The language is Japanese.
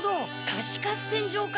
貸し合戦場か！